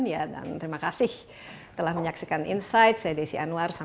ya dan terima kasih telah mengucapkan terima kasih banyak ya